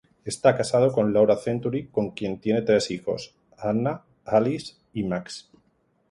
Está casado con Laura Century, con quien tiene tres hijos: Hannah, Alice, y Max.